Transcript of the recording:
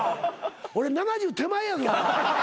俺７０手前やぞ？